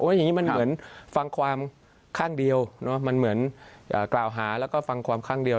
อย่างนี้มันเหมือนฟังความข้างเดียวมันเหมือนกล่าวหาแล้วก็ฟังความข้างเดียว